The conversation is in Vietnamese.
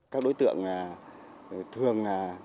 các đối tượng thường